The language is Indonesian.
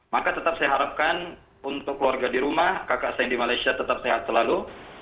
maka tetap saya harapkan untuk keluarga di rumah kakak saya di malaysia tetap sehat selalu